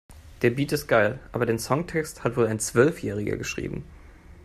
Der Beat ist geil, aber den Songtext hat wohl ein Zwölfjähriger geschrieben.